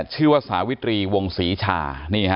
ชื่อว่าสาวิตรีวงศรีชา